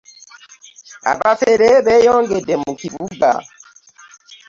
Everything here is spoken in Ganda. Abafere beyongedde mu kibuga.